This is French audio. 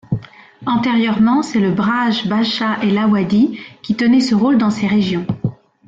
Antérieurement, c'est le braj bhasha et l'awadhi qui tenaient ce rôle dans ces régions.